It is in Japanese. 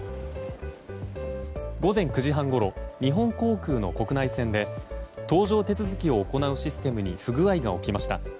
午前９時半ごろ日本航空の国内線で搭乗手続きを行うシステムに不具合が起きました。